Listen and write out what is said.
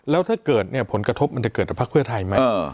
แล้วถ้าเกิดเนี่ยผลกระทบมันจะเกิดกับพักเพื่อไทยไหม